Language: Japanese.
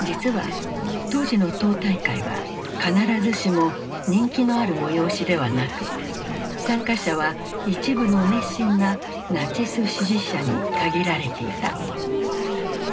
実は当時の党大会は必ずしも人気のある催しではなく参加者は一部の熱心なナチス支持者に限られていた。